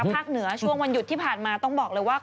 ภาคเหนือช่วงวันหยุดที่ผ่านมาต้องบอกเลยว่า